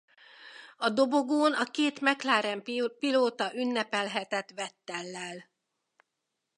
A dobogón a két McLaren-pilóta ünnepelhetett Vettellel.